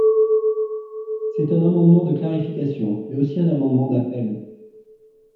C’est un amendement de clarification, mais aussi un amendement d’appel.